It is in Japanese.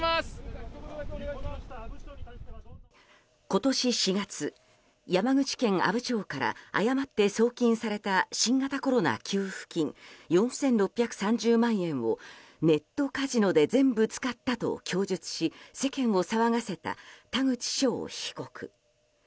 今年４月、山口県阿武町から誤って送金された新型コロナ給付金４６３０万円をネットカジノで全部使ったと供述し世間を騒がせた田口翔被告。